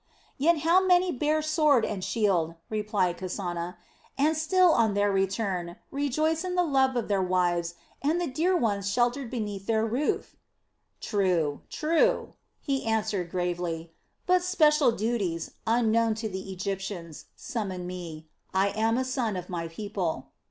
"Yet how many bear sword and shield," replied Kasana, "and still, on their return, rejoice in the love of their wives and the dear ones sheltered beneath their roof." "True, true," he answered gravely; "but special duties, unknown to the Egyptians, summon me. I am a son of my people."